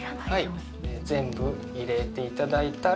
全部入れていただいたら。